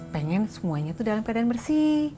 pengen semuanya itu dalam keadaan bersih